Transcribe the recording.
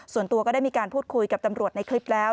ส่วนตัวก็ได้มีการพูดคุยกับตำรวจในคลิปแล้ว